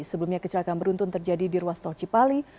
sebelumnya kecelakaan beruntun terjadi di ruas tol cipali